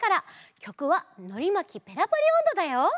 きょくは「のりまきペラパリおんど」だよ。